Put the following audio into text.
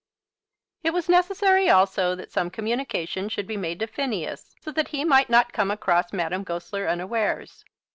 It was necessary also that some communication should be made to Phineas, so that he might not come across Madame Goesler unawares.